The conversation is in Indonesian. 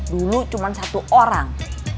dulu cuma satu orang